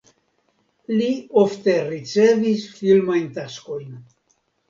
Li ofte ricevis filmajn taskojn.